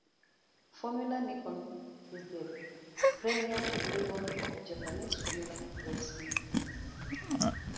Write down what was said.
Formula Nippon, is the premier level of Japanese formula racing.